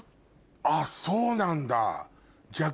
あっそうなんだ。